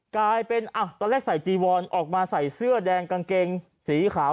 กลายเป็นตอนแรกใส่จีวอนออกมาใส่เสื้อแดงกางเกงสีขาว